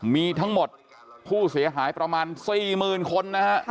มีทั้งหมดผู้เสียหายประมาณ๔หมื่นคน